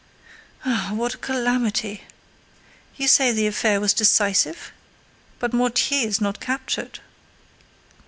"Ah what a calamity! You say the affair was decisive? But Mortier is not captured."